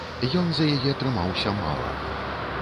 Ён за яе трымаўся мала.